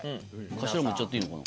頭もいっちゃっていいのかな。